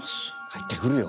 入ってくるよ。